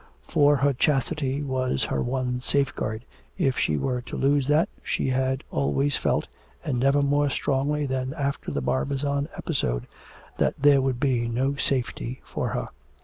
For her chastity was her one safeguard, if she were to lose that, she had always felt, and never more strongly than after the Barbizon episode, that there would be no safety for her.